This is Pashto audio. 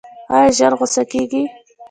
ایا ژر غوسه کیږئ؟